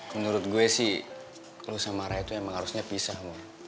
menurut gue sih lo sama raya tuh emang harusnya pisah mo